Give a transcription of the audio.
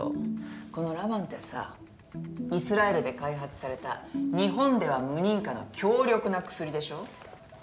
このｌａｖａｎってさイスラエルで開発された日本では無認可の強力な薬でしょ。